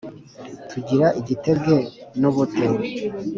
tugira igitebwe n’ubute